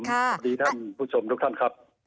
สวัสดีท่านผู้ชมทุกท่านครับ